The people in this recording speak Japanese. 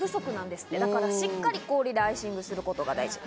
ですから氷でしっかりアイシングすることが大事。